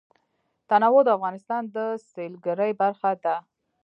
تنوع د افغانستان د سیلګرۍ برخه ده.